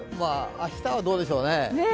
明日はどうでしょうね。